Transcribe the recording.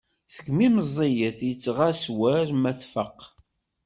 Seg imi meẓẓiyet tettɣas war ma tfaq.